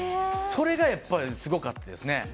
それがやっぱりすごかったですね。